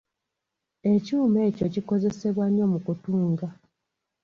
Ekyuma ekyo kikozesebwa nnyo mu kutunga.